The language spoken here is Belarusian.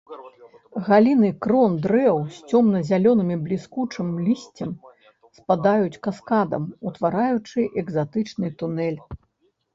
Галіны крон дрэў з цёмна-зялёным бліскучым лісцем спадаюць каскадам, утвараючы экзатычны тунэль.